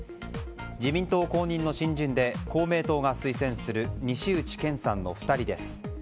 自民党公認の新人で公明党が推薦する西内健さんの２人です。